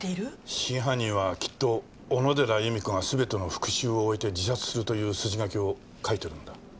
真犯人はきっと小野寺由美子が全ての復讐を終えて自殺するという筋書きを書いてるんだ。